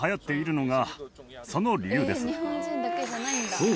そう。